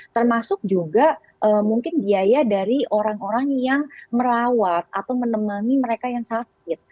termasuk juga mungkin biaya dari orang orang yang merawat atau menemani mereka yang sakit